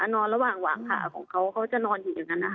นอนระหว่างวางขาของเขาเขาจะนอนอยู่อย่างนั้นนะคะ